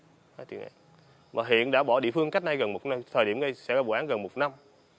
mà đối tượng kim thành hưng thì có hai tuyển án mà hiện đã bỏ địa phương cách nay gần một năm thời điểm đây sẽ có vụ án gần một năm